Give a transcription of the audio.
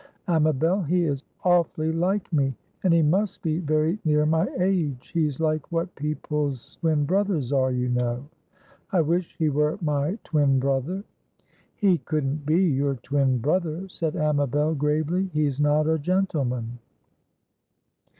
Amabel, he is awfully like me, and he must be very near my age. He's like what people's twin brothers are, you know. I wish he were my twin brother!" "He couldn't be your twin brother," said Amabel, gravely; "he's not a gentleman."